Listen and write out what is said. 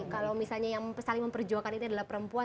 kalau misalnya yang saling memperjuangkan ini adalah perempuan